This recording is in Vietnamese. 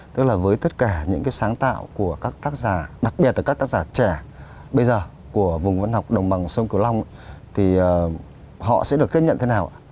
tức là với tất cả những cái sáng tạo của các tác giả đặc biệt là các tác giả trẻ bây giờ của vùng văn học đồng bằng sông cửu long thì họ sẽ được tiếp nhận thế nào ạ